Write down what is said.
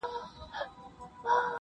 سل او څو پرهېزگاران مي شرابيان كړل -